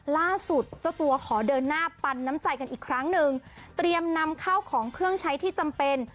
ล่าสุดเจ้าตัวขอเดินหน้าปันน้ำใจกันอีกครั้งหนึ่งเตรียมนำข้าวของเครื่องใช้ที่จำเป็น